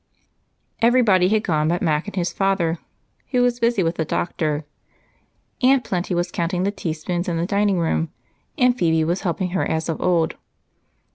Everybody had gone but Mac and his father, who was busy with the doctor. Aunt Plenty was counting the teaspoons in the dining room, and Phebe was helping her as of old.